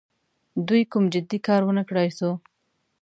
دوی کوم جدي کار ونه کړای سو.